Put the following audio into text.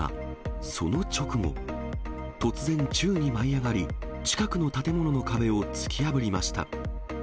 その直後、突然、宙に舞い上がり、近くの建物の壁を突き破りました。